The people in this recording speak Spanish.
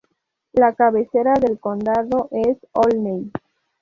La cabecera del condado es Olney.